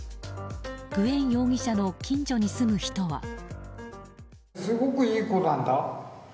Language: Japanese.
グエン容疑者の近所に住む人は。